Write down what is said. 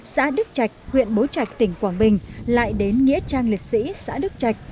xã đức trạch huyện bố trạch tỉnh quảng bình lại đến nghĩa trang liệt sĩ xã đức trạch